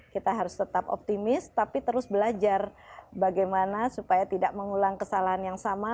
kita harus tetap optimis tapi terus belajar bagaimana supaya tidak mengulang kesalahan yang sama